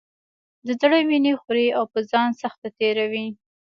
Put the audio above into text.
د زړه وینې خوري او په ځان سخته تېروي.